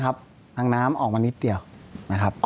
นะครับดั่งน้ำออกมานิดเดียวนะครับ